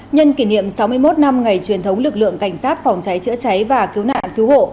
nhân kỷ niệm sáu mươi một năm ngày truyền thống lực lượng cảnh sát phòng cháy chữa cháy và cứu nạn cứu hộ